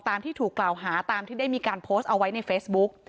ที่ถูกกล่าวหาตามที่ได้มีการโพสต์เอาไว้ในเฟซบุ๊ก